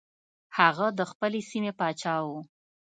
هغه د خپلې سیمې پاچا و.